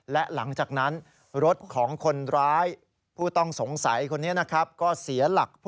และหลังจากนั้นรถของคนร้ายผู้ต้องสงสัยคนนี้นะครับก็เสียหลัก